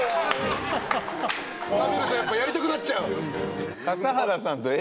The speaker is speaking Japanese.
食べるとやっぱやりたくなっちゃう。